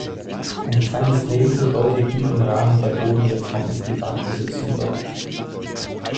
Ein kleines Nebengebäude ging im Rahmen der Bodenreform in Privatbesitz über.